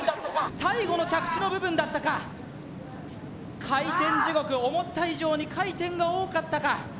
最後の着地の部分だったか回転地獄思った以上に回転が多かったか？